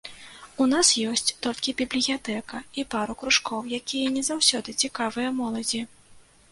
У нас ёсць толькі бібліятэка і пару кружкоў, якія не заўсёды цікавыя моладзі.